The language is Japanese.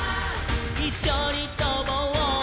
「いっしょにとぼう」